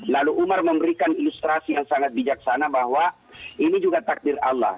lalu umar memberikan ilustrasi yang sangat bijaksana bahwa ini juga takdir allah